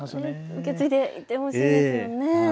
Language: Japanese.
受け継いでいってほしいですよね。